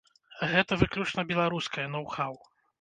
Гэта выключна беларускае ноу-хаў.